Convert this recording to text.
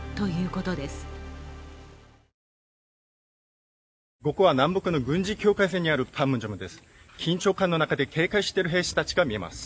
ここは南北の軍事境界線にあるパンムンジョムです。